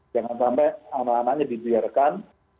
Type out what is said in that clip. jangan sampai anak anaknya dibiarkan